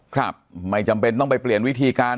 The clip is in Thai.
ครับไม่จำเป็นต้องไปเปลี่ยนวิธีการ